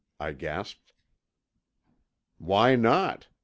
I gasped. "Why not?